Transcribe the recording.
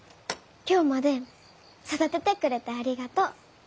今日まで育ててくれてありがとう。